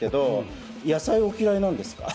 野菜お嫌いなんです